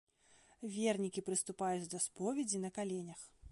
Вернікі прыступаюць да споведзі на каленях.